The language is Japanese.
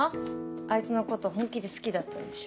あいつのこと本気で好きだったんでしょ？